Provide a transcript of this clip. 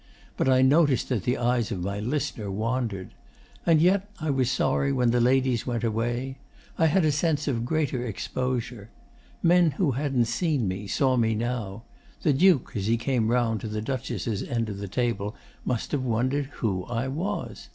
But I noticed that the eyes of my listener wandered. And yet I was sorry when the ladies went away. I had a sense of greater exposure. Men who hadn't seen me saw me now. The Duke, as he came round to the Duchess' end of the table, must have wondered who I was.